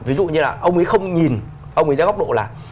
ví dụ như là ông ấy không nhìn ông ấy ra góc độ là